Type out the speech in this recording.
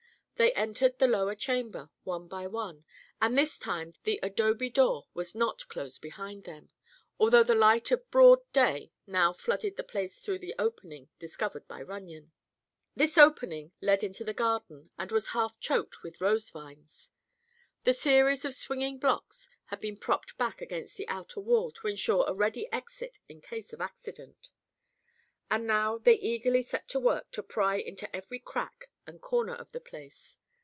They entered the lower chamber, one by one, and this time the adobe door was not closed behind them, although the light of broad day now flooded the place through the opening discovered by Runyon. This opening led into the garden and was half choked with rose vines. The series of swinging blocks had been propped back against the outer wall to insure a ready exit in case of accident. And now they eagerly set to work to pry into every crack and corner of the place.